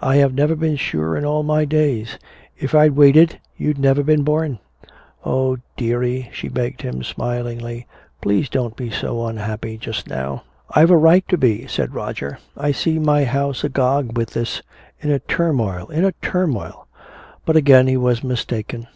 I have never been sure in all my days! If I'd waited, you'd never have been born!" "Oh, dearie," she begged him smilingly. "Please don't be so unhappy just now " "I've a right to be!" said Roger. "I see my house agog with this in a turmoil in a turmoil!" But again he was mistaken.